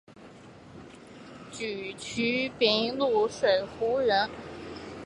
沮渠秉卢水胡人。